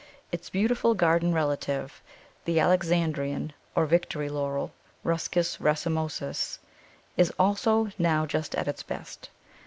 Its beautiful garden relative, the Alexandrian or Victory Laurel (Ruscus racemosus), is also now just at its best.